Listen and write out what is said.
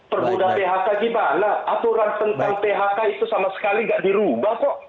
permudah phk gimana aturan tentang phk itu sama sekali nggak dirubah kok